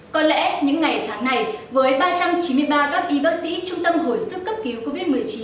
có lẽ những ngày tháng này với ba trăm chín mươi ba các y bác sĩ trung tâm hồi sức cấp cứu covid một mươi chín